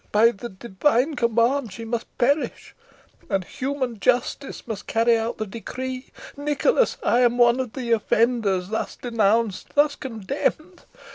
By the divine command she must perish, and human justice must; carry out the decree. Nicholas, I am one of the offenders thus denounced, thus condemned.